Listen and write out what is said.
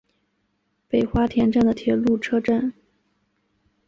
北花田站的铁路车站。